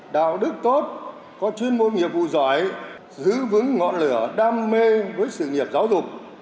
đạo đức tốt có chuyên môn nghiệp vụ giỏi giữ vững ngọn lửa đam mê với sự nghiệp giáo dục